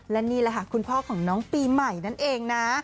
และนี่คุณพ่อของน้องปีใหม่นั่นเองนะ